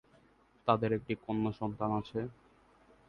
তাদের একটি কন্যাসন্তান আছে।